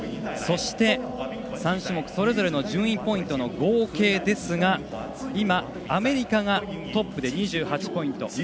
そして、３種目それぞれの順位ポイントの合計ですがアメリカがトップ、２８ポイント。